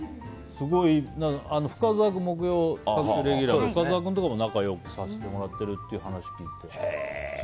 木曜レギュラーの深澤君とかも仲良くさせてもらってるという話を聞いて。